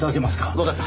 わかった。